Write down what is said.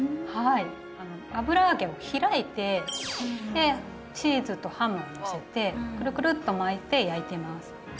油揚げを開いてチーズとハムをのせてくるくるっと巻いて焼いてます。